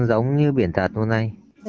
giống như biển thật luôn anh